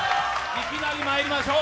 いきなりまいりましょう。